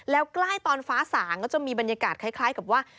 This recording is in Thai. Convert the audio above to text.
แล้วใกล้ตอนฟ้าสางก็จะมีบรรยากาศคล้ายกับว่า